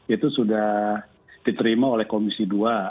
itu sudah diterima oleh komisi dua